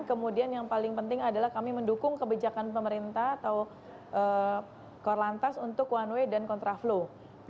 kemudian yang paling penting adalah kami mendukung kebijakan pemerintah atau korlantas untuk one way dan kontraflow